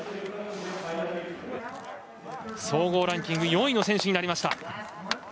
総合ランキング４位の選手になりました。